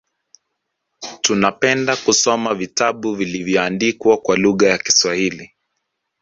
Tunapenda kusoma vitabu vilivyoandikwa kwa lugha ya Kiswahili